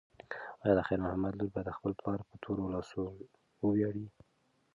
ایا د خیر محمد لور به د خپل پلار په تورو لاسو وویاړي؟